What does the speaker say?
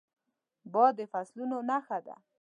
باد د فصلونو نښه ده